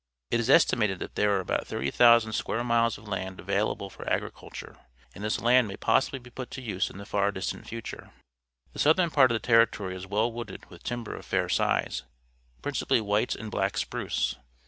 It is estim ated that there are about 30,000 square miles of land available for agriculture, and this land may possibly be put to use in the far distant future. The southern part of the Territory is well wooded with timber of fair size, principally white and black spruce.